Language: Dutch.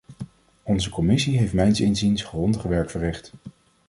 Onze commissie heeft mijns inziens grondig werk verricht.